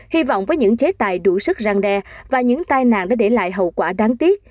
hy vọng với những chế tài đủ sức răng đe và những tai nạn đã để lại hậu quả đáng tiếc